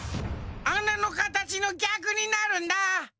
あなのかたちのぎゃくになるんだ。